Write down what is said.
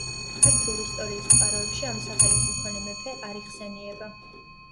ქართულ ისტორიის წყაროებში ამ სახელის მქონე მეფე არ იხსენიება.